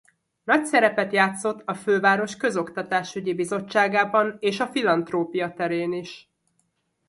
Nagy szerepet játszott a főváros közoktatásügyi bizottságában és a filantrópia terén is.